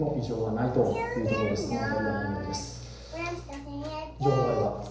この辺りは何よりです。